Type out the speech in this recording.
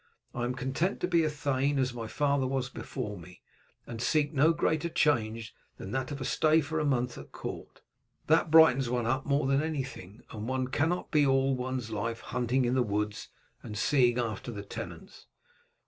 I am content to be a thane, as my father was before me, and seek no greater change than that of a stay for a month at court. That brightens one up more than anything; and one cannot be all one's life hunting in the woods and seeing after the tenants.